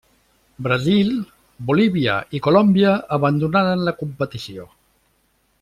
Brasil, Bolívia, i Colòmbia abandonaren la competició.